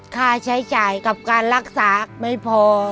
ค่าใช้จ่ายกับการรักษาไม่พอ